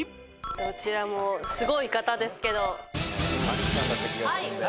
どちらもすごい方ですけど。